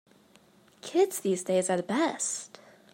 Kids these days are the best.